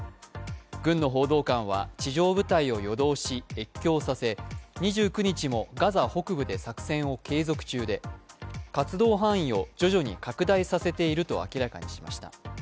軍の報道官は地上部隊を夜通し越境させ２９日もガザ北部で作戦を継続中で活動範囲を徐々に拡大させていると明らかにしました。